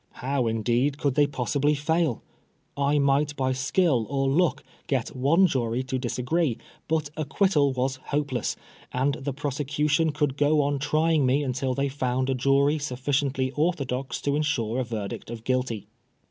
How, indeed, could they possibly fail ? I might by skill or luck get one jury to disagree, but acquittal was hopeless ; and the prose cution could go on trying me until they found a jury sufficiently orthodox to ensure a verdict of guilty.